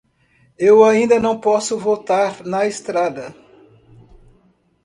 Eu ainda não posso voltar na estrada.